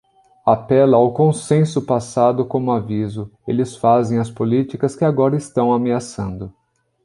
Apela ao consenso passado como aviso, eles fazem as políticas que agora estão ameaçando.